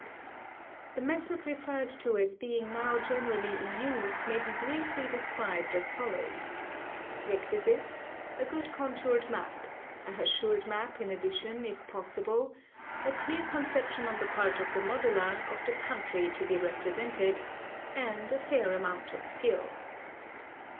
The method referred to as being now generally in use may be briefly described as follows : requisites, a good contoured map ; a hachured map in addition, if possible ; a clear conception on the part of the modeler of the country to be represented ; and a fair amount of skill.